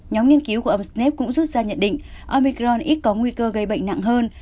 nhóm nghiên cứu của ông snap cũng rút ra nhận định omicron ít có nguy cơ gây bệnh nặng hơn